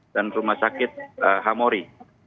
dan rumah sakit hamori